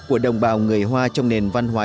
của đồng bào người hoa trong nền văn hóa